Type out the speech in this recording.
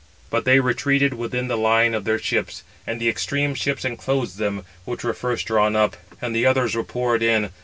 But they retreated within the line of their ships, 501 and the extreme ships enclosed them, which were first drawn up: and the others were poured in.